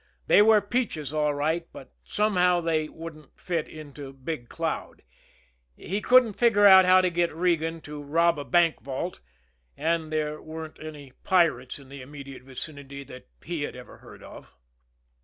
They were peaches all right, but somehow they wouldn't fit into Big Cloud he couldn't figure out how to get Regan to rob a bank vault, and there weren't any pirates in the immediate vicinity that he had ever heard of.